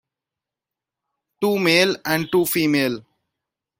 Two male and two female.